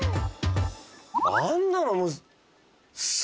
あんなのもう。